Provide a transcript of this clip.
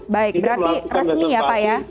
baik berarti resmi ya pak ya